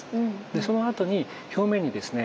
でそのあとに表面にですね